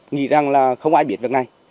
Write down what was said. nghĩ rằng là không ai biết việc này